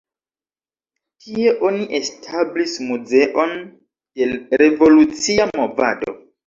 Tie oni establis muzeon de revolucia movado.